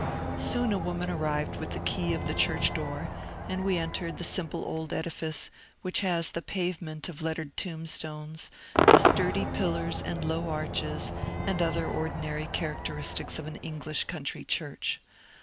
Soon a woman arrived with the key of the church door, and we entered the simple old edifice, which has the pavement of lettered tombstones, the sturdy pillars and low arches and other ordinary characteristics of an English country church.